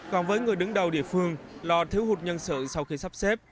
còn với người đứng đầu địa phương lo thiếu hụt nhân sự sau khi sắp xếp